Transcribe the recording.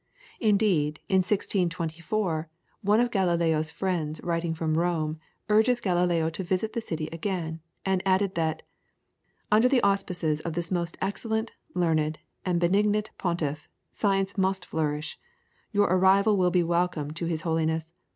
Indeed, in 1624, one of Galileo's friends writing from Rome, urges Galileo to visit the city again, and added that "Under the auspices of this most excellent, learned, and benignant Pontiff, science must flourish. Your arrival will be welcome to his Holiness.